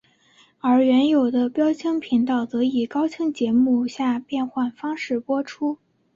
而原有的标清频道则以高清节目下变换方式播出。